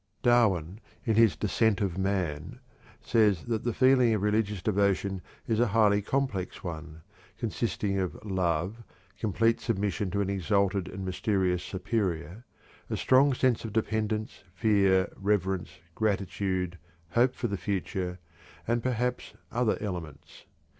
Darwin, in his "Descent of Man," says that the feeling of religious devotion is a highly complex one, consisting of love, complete submission to an exalted and mysterious superior, a strong sense of dependence, fear, reverence, gratitude, hope for the future, and perhaps other elements.